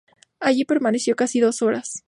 Allí permaneció casi dos horas.